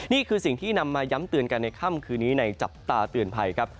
นี่คือสิ่งที่นำมาย้ำเตือนกันในค่ำคืนนี้ในจับตาเตือนภัยครับ